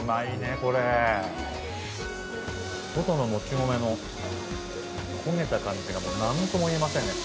外のもち米の焦げた感じがなんとも言えませんね。